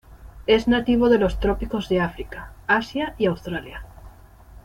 Es nativo de los trópicos de África, Asia y Australia.